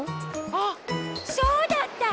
あっそうだった！